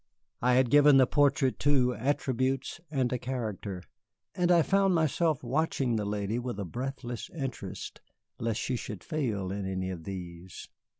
I had given the portrait, too, attributes and a character, and I found myself watching the lady with a breathless interest lest she should fail in any of these.